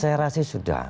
saya rasa sudah